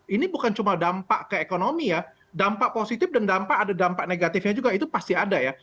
ini bukan cuma dampak ke ekonomi ya dampak positif dan dampak ada dampak negatifnya juga itu pasti ada ya